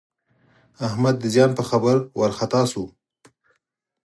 احمد د زیان په خبر وارخطا شو.